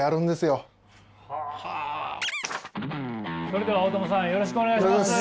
それでは大友さんよろしくお願いします。